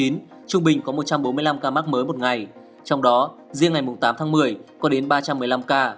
trung bình có một trăm bốn mươi năm ca mắc mới một ngày trong đó riêng ngày tám tháng một mươi có đến ba trăm một mươi năm ca